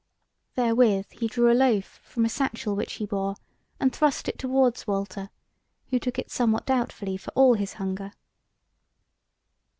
Therewith he drew a loaf from a satchel which he bore, and thrust it towards Walter, who took it somewhat doubtfully for all his hunger.